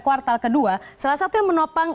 kuartal kedua salah satu yang menopang